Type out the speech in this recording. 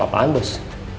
jawab apaan bos